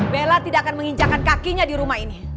bella tidak akan menginjakan kakinya di rumah ini